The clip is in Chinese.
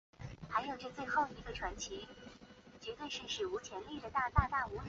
白俄罗斯加盟苏联前时并没有国歌。